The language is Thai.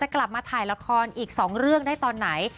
กลับมาถ่ายละครอีก๒เรื่องได้ตอนไหน